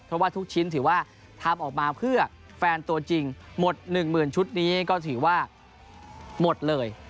เพราะว่าทุกชิ้นถือว่าทำออกมาเพื่อแฟนตัวจริงหมด๑๐๐๐ชุดนี้ก็ถือว่าหมดเลย